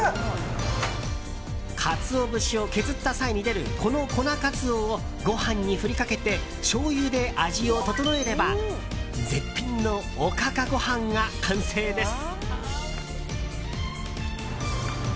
カツオ節を削った際に出るこの粉かつおをご飯に振りかけてしょうゆで味を調えれば絶品のおかかご飯が完成です。